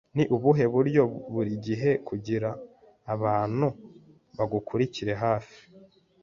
Ni ubuhe buryo buri gihe kugira abantu bagukurikira hafi?